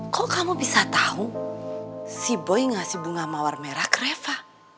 kok kamu bisa tahu si boy ngasih bunga mawar merah kreva